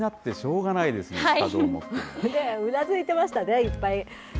うなずいてましたね、いっぱい。